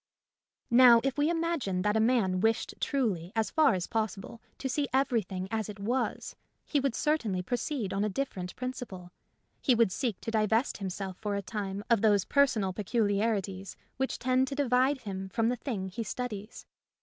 Now if we imagine that a man wished truly, as far as possible, to see everything as it was, he would certainly proceed on a different principle. He would seek to divest himself for a time of those personal peculiarities which tend to divide him from the thing he studies.